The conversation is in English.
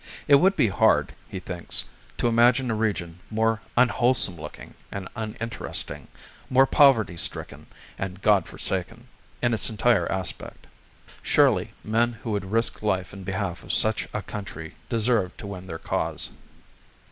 It would be hard, he thinks, to imagine a region more unwholesome looking and uninteresting, more poverty stricken and God forsaken, in its entire aspect. Surely, men who would risk life in behalf of such a country deserved to win their cause.